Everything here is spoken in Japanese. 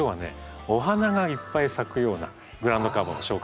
お花がいっぱい咲くようなグラウンドカバーを紹介したいんですね。